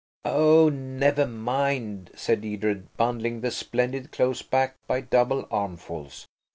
"Oh, never mind," said Edred, bundling the splendid clothes back by double armfuls.